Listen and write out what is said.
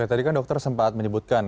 tadi kan dokter sempat menyebutkan